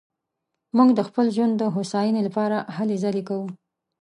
موږ د خپل ژوند د هوساينې لپاره هلې ځلې کوو